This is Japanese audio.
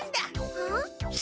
はっ？